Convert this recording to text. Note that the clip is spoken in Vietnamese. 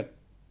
ở phía bắc